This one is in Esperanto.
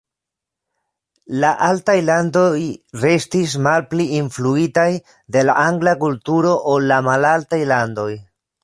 La altaj landoj restis malpli influitaj de la angla kulturo ol la malaltaj landoj.